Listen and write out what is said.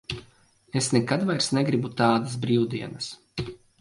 Es nekad vairs negribu tādas brīvdienas.